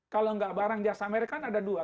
kalau nggak barang jasa mereka kan ada dua